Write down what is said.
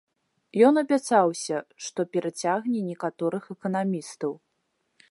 Ён абяцаўся, што перацягне некаторых эканамістаў.